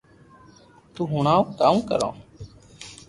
تو ھڻاو ڪاوُ ڪارو